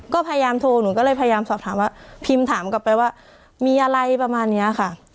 ก็พยายามโทรหนูก็เลยพยายามสอบถามว่าพิมพ์ถามกลับไปว่ามีอะไรประมาณนี้ค่ะ